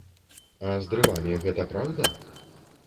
А з дрывамі гэта праўда?